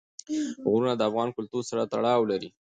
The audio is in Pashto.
غرونه د افغان کلتور سره تړاو لري.